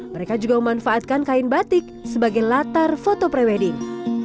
mereka juga memanfaatkan kain batik sebagai latar foto pre wedding